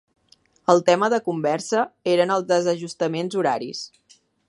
El tema de conversa eren els desajustaments horaris.